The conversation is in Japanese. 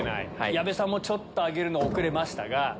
矢部さんもちょっと挙げるの遅れましたが。